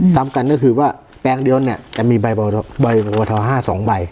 ซ้ำกันก็คือว่าแปลงเดียวเนี้ยแต่มีใบบับประทอใบบับประทอห้าสองใบ